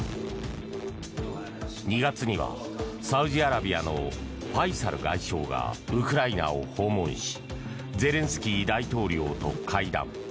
２月には、サウジアラビアのファイサル外相がウクライナを訪問しゼレンスキー大統領と会談。